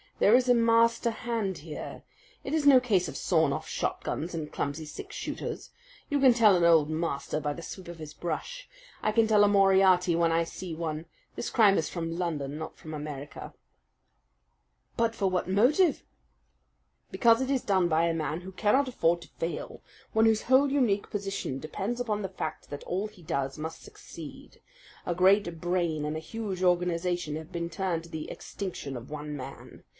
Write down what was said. "There is a master hand here. It is no case of sawed off shotguns and clumsy six shooters. You can tell an old master by the sweep of his brush. I can tell a Moriarty when I see one. This crime is from London, not from America." "But for what motive?" "Because it is done by a man who cannot afford to fail, one whose whole unique position depends upon the fact that all he does must succeed. A great brain and a huge organization have been turned to the extinction of one man.